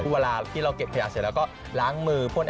เวลาที่เราเก็บขยะเสร็จแล้วก็ล้างมือพ่น